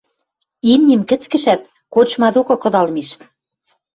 Имним кӹцкӹшӓт, корчма докы кыдал миш.